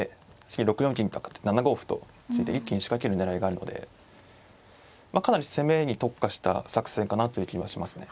次６四銀と上がって７五歩と突いて一気に仕掛ける狙いがあるのでまあかなり攻めに特化した作戦かなという気はしますね。